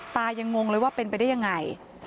ตายังงงเลยว่าเป็นไปได้ยังไง